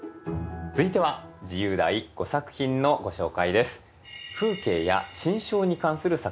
続いては自由題５作品のご紹介です。